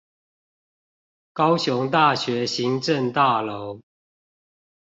高雄大學行政大樓